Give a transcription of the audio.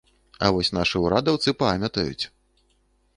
А вось нашы ўрадаўцы памятаюць!